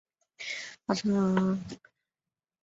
巴黎的桑斯旅馆是桑斯总主教在巴黎的官邸。